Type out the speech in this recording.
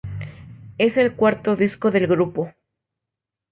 Es el cuarto disco del grupo.